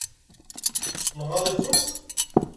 Nɣaḍ-ikent?